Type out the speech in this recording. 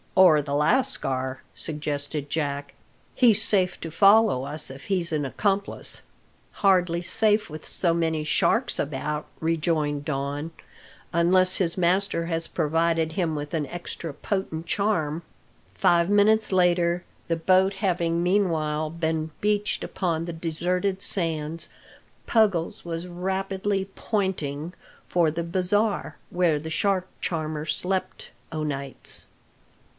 "Or the lascar," suggested Jack. "He's safe to follow us if he's an accomplice." "Hardly safe with so many sharks about," rejoined Don, "unless his master has provided him with an extra potent charm." Five minutes later, the boat having meanwhile been beached upon the deserted sands, Puggles was rapidly "pointing" for the bazaar, where the shark charmer slept o' nights.